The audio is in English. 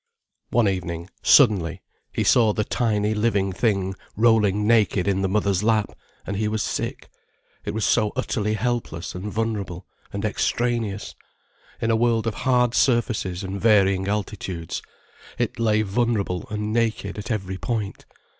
One evening, suddenly, he saw the tiny, living thing rolling naked in the mother's lap, and he was sick, it was so utterly helpless and vulnerable and extraneous; in a world of hard surfaces and varying altitudes, it lay vulnerable and naked at every point.